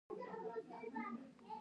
دا د اروپايي روښانفکرۍ اوزار وو.